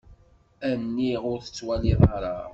Aniɣ ur tettwaliḍ ara?